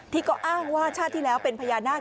ที่ก็อ้างว่าชาติที่แล้วเป็นพญานาค